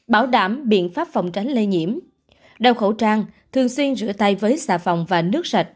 bảo đảm biện pháp phòng tránh lây nhiễm đeo khẩu trang thường xuyên rửa tay với xà phòng và nước sạch